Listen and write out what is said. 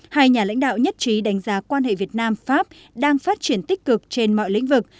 hai nhà lãnh đạo nhất trí đánh giá quan hệ việt nam pháp đang phát triển tích cực trên mọi lĩnh vực